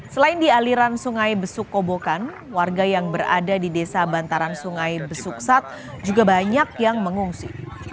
selain di aliran sungai besuk kobokan warga yang berada di desa bantaran sungai besuksat juga banyak yang mengungsi